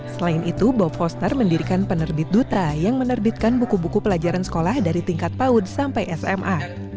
selain itu bob foster mendirikan penerbit duta yang menerbitkan buku buku pelajaran sekolah dari tingkat paud sampai sma